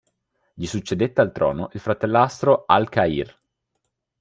Gli succedette al trono il fratellastro al-Qahir.